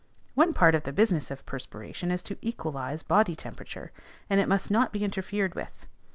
One part of the business of perspiration is to equalize bodily temperature, and it must not be interfered with.